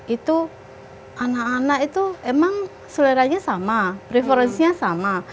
itu anak anak itu emang seleranya sama referensinya sama